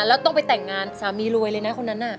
แล้วต้องไปแต่งงานสามีรวยเลยนะคนนั้นน่ะ